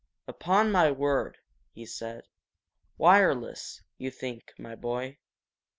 "Upon my word!" he said. "Wireless, you think, my boy?"